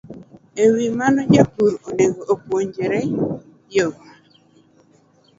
E wi mano, jopur onego opuonjre yo